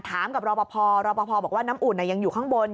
ถามกับรอปภรอปภบอกว่าน้ำอุ่นยังอยู่ข้างบน